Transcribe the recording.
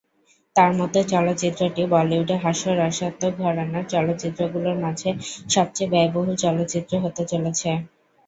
তাঁর মতে, চলচ্চিত্রটি বলিউডে হাস্যরসাত্মক ঘরানার চলচ্চিত্রগুলোর মাঝে সবচেয়ে ব্যয়বহুল চলচ্চিত্র হতে চলেছে।